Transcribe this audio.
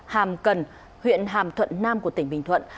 hàm cần huyện hàm thuận nam của tỉnh bình thuận